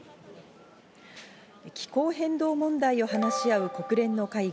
気候変動問題を話し合う国連の会議